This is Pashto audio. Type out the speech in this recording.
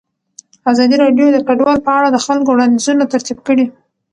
ازادي راډیو د کډوال په اړه د خلکو وړاندیزونه ترتیب کړي.